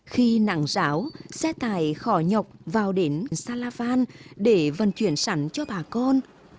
khi nặng ráo xe tải khỏ nhọc vào đến salavan để vận chuyển sẵn cho bà con